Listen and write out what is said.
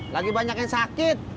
lagi banyak yang sakit